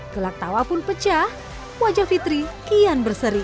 gelak tawa pun pecah wajah fitri kian berseri